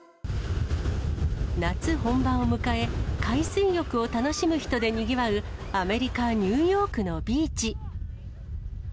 夏本番を迎え、海水浴を楽しむ人でにぎわう、アメリカ・ニューヨークのビーチ。